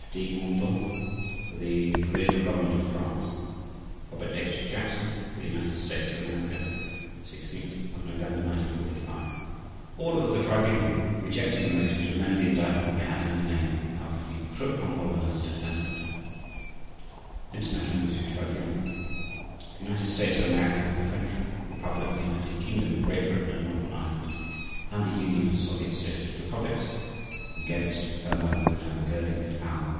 DE MENTHON For the Provisional Government of France /s/ ROBERT H. JACKSON For the United States of America 16 November 1945 ORDER OF THE TRIBUNAL REJECTING THE MOTION TO AMEND THE INDICTMENT BY ADDING THE NAME OF ALFRIED KRUPP VON BOHLEN AS A DEFENDANT INTERNATIONAL MILITARY TRIBUNAL THE UNITED STATES OF AMERICA, THE FRENCH REPUBLIC, THE UNITED KINGDOM OF GREAT BRITAIN AND NORTHERN IRELAND, and THE UNION OF SOVIET SOCIALIST REPUBLICS — against — HERMANN WILHELM GÖRING, et al.